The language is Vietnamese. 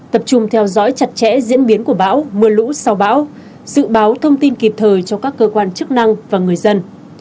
tập trung theo dõi chặt chẽ diễn biến của bão mưa lũ sau bão dự báo thông tin kịp thời cho các cơ quan chức năng và người dân